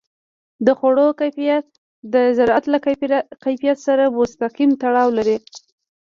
د خوړو کیفیت د زراعت له کیفیت سره مستقیم تړاو لري.